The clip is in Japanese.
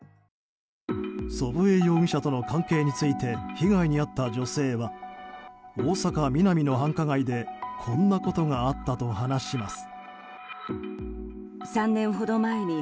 祖父江容疑者との関係について被害に遭った女性は大阪ミナミの繁華街でこんなことがあったと話します。